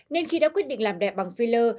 nên khi đã quyết định làm đẹp bằng filler